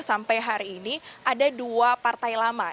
sampai hari ini ada dua partai lama